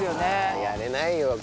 いややれないよ。